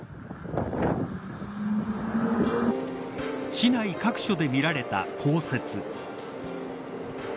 市内各所で見られた降雪。